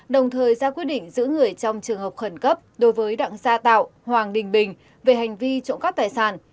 đồng thời ra quyết định giữ người trong trường hợp khẩn cấp đối với đặng gia tạo hoàng đình bình về hành vi trộm cắp tài sản